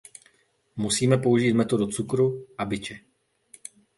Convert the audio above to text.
Musíme použít metodu cukru a biče.